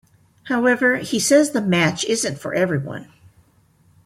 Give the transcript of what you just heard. However, he says the match isn't for everyone.